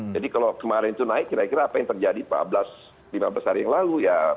jadi kalau kemarin itu naik kira kira apa yang terjadi lima belas hari yang lalu ya